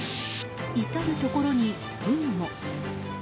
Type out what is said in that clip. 至るところに、ふんも。